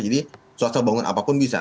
jadi swasta bangun apapun bisa